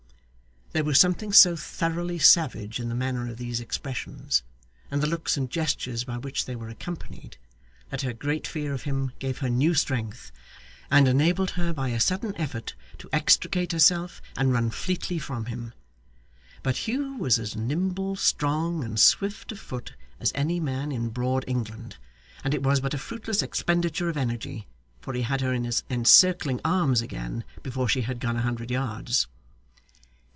There was something so thoroughly savage in the manner of these expressions, and the looks and gestures by which they were accompanied, that her great fear of him gave her new strength, and enabled her by a sudden effort to extricate herself and run fleetly from him. But Hugh was as nimble, strong, and swift of foot, as any man in broad England, and it was but a fruitless expenditure of energy, for he had her in his encircling arms again before she had gone a hundred yards.